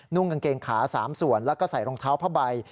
กางเกงขา๓ส่วนแล้วก็ใส่รองเท้าผ้าใบ